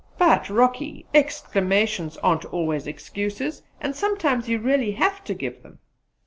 "But, Rocky, explanations aren't always excuses, and sometimes you really have to give them!"